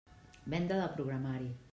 Venda de programari.